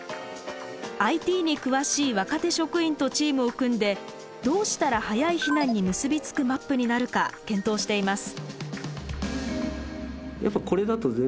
ＩＴに詳しい若手職員とチームを組んでどうしたら早い避難に結び付くマップになるか検討しています。